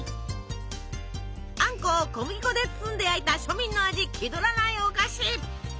あんこを小麦粉で包んで焼いた庶民の味気取らないお菓子。